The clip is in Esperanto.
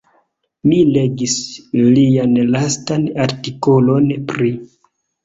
Mi legis lian lastan artikolon pri.